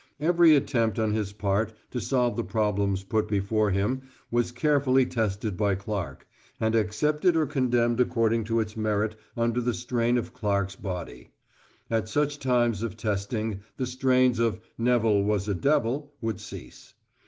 Every attempt on his part to solve the problems put before him was carefully tested by Clark, and accepted or condemned according to its merit under the strain of Clark's body. At such times of testing the strains of "Neville was a devil" would cease.